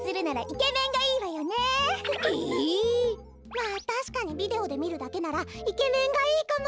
まあたしかにビデオでみるだけならイケメンがいいかも！